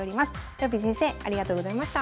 とよぴー先生ありがとうございました。